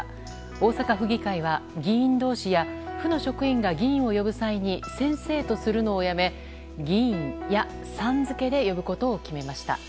大阪府議会は議員同士や府の職員が議員を呼ぶ際に「先生」とするのをやめ「議員」や「さん」付けで呼ぶことを決めました。